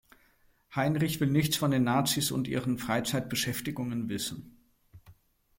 Heinrich will nichts von den Nazis und ihren „Freizeitbeschäftigungen“ wissen.